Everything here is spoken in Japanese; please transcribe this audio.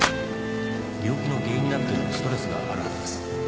病気の原因になってるストレスがあるはずです